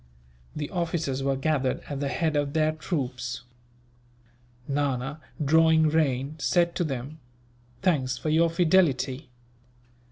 The officers were gathered at the head of their troops. Nana, drawing rein, said to them: "Thanks for your fidelity.